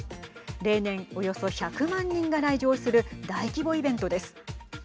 例年およそ１００万人が来場する大規模イベントです。